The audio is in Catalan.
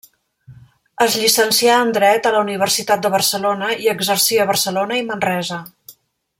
Es llicencià en dret a la Universitat de Barcelona i exercí a Barcelona i Manresa.